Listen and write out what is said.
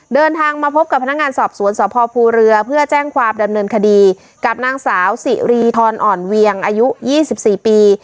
เดินทางมาพบกับพนักงานสอบสวนสพภูเรือเพื่อแจ้งความดำเนินคดีกับนางสาวสิริธรอ่อนเวียงอายุ๒๔ปี